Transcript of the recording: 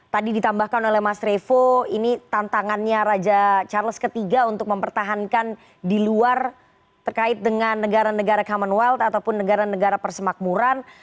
tadi ditambahkan oleh mas revo ini tantangannya raja charles iii untuk mempertahankan di luar terkait dengan negara negara commonwealth ataupun negara negara persemakmuran